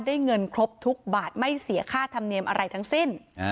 เงินครบทุกบาทไม่เสียค่าธรรมเนียมอะไรทั้งสิ้น